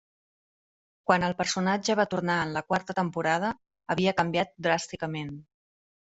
Quan el personatge va tornar en la quarta temporada, havia canviat dràsticament.